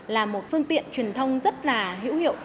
là một phương tiện truyền thông rất là hữu hiệu